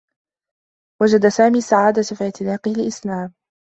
وجد سامي السّعادة في اعتناقه للإسلام.